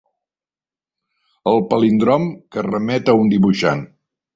El palíndrom que remet a un dibuixant.